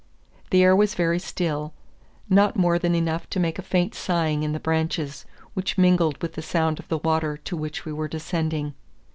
The air was very still, not more than enough to make a faint sighing in the branches, which mingled with the sound of the water to which we were descending.